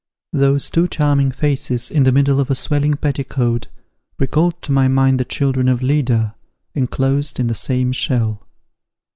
Those two charming faces in the middle of a swelling petticoat, recalled to my mind the children of Leda, enclosed in the same shell.